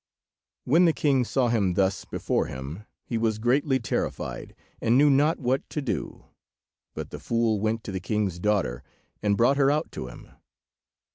When the king saw him thus before him, he was greatly terrified, and knew not what to do. But the fool went to the king's daughter, and brought her out to him.